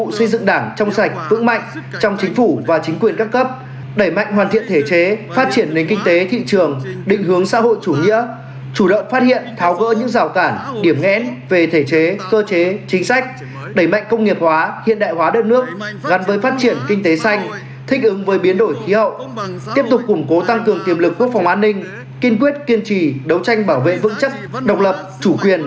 thủ tướng xây dựng đảng trong sạch vững mạnh trong chính phủ và chính quyền các cấp đẩy mạnh hoàn thiện thể chế phát triển nền kinh tế thị trường định hướng xã hội chủ nghĩa chủ động phát hiện tháo gỡ những rào tản điểm nghen về thể chế cơ chế chính sách đẩy mạnh công nghiệp hóa hiện đại hóa đất nước gắn với phát triển kinh tế xanh thích ứng với biến đổi khí hậu tiếp tục củng cố tăng cường tiềm lực quốc phòng an ninh kiên quyết kiên trì đấu tranh bảo vệ vững chất độc lập chủ quy